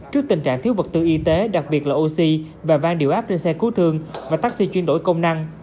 trước tình trạng thiếu vật tư y tế đặc biệt là oxy và vang điều áp trên xe cứu thương và taxi chuyên đổi công năng